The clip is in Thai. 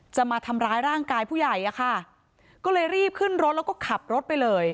จะมาทำร้ายร่างกายผู้ใหญ่อะค่ะก็เลยรีบขึ้นรถแล้วก็ขับรถไปเลย